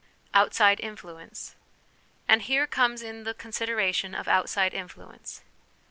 Outside Influence. And here comes in the consideration of outside influence.